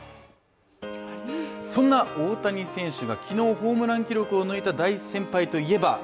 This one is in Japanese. そんな大谷選手が昨日ホームラン記録を抜いた大先輩といえば？